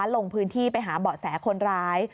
ลงพื้นที่ไปหาเบาะแสคนร้าย